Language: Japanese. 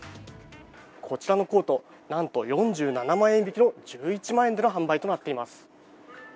こちらのコート、なんと４７万円引きの１１万円での販売となっています。